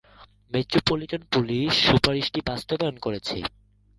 Metropolitan Police সুপারিশটি বাস্তবায়ন করেছে।